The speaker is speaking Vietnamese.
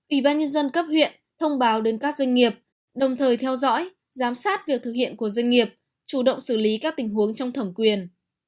ủy ban nhân dân cấp huyện thông báo đến các doanh nghiệp đồng thời theo dõi giám sát việc thực hiện của doanh nghiệp chủ động xử lý các tình huống trong thẩm quyền